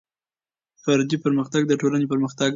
فردي پرمختګ د ټولنې پرمختګ دی.